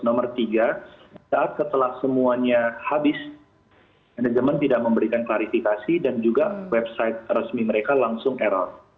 nomor tiga saat setelah semuanya habis manajemen tidak memberikan klarifikasi dan juga website resmi mereka langsung error